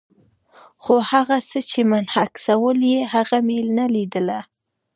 خو هغه څه چې منعکسول یې، هغه مې نه لیدل.